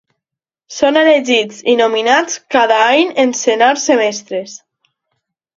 Són elegits i nominats cada any en senars semestres.